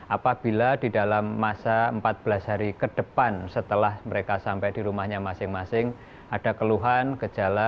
apabila di dalam masa empat belas hari ke depan setelah mereka sampai di rumahnya masing masing ada keluhan gejala